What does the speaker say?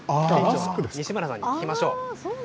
西村さんに聞きましょう。